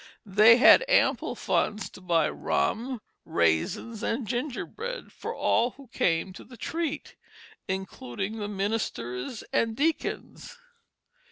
They had ample funds to buy rum, raisins, and gingerbread for all who came to the treat, including the ministers and deacons.